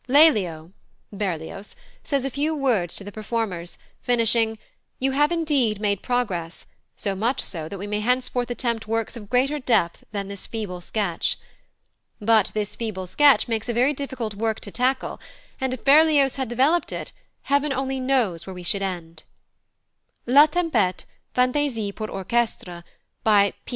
Lelio (Berlioz) says a few words to the performers, finishing, "You have indeed made progress, so much so that we may henceforth attempt works of greater depth than this feeble sketch." But this "feeble sketch" makes a very difficult work to tackle; and if Berlioz had developed it, Heaven only knows where we should end! La Tempête, Fantaisie pour orchestre by +P.